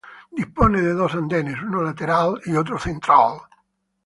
Dispone de dos andenes, uno lateral y otro central.